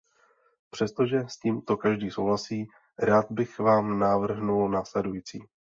Přestože s tímto každý souhlasí, rád bych vám navrhnul následující.